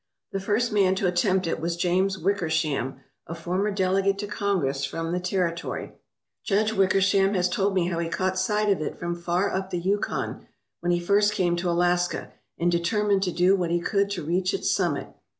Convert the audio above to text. The first man to attempt it was James Wickersham, a former delegate to Congress from the territory. Judge Wicker sham has told me how he caught sight of it from far up the Yukon when he first came to Alaska, and determined to do what he could to reach its summit.